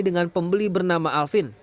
dengan pembeli bernama alvin